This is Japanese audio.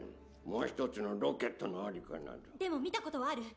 もう一つのロケットの在りかなどでも見たことはある？